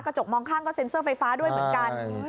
จกมองข้างก็เซ็นเซอร์ไฟฟ้าด้วยเหมือนกัน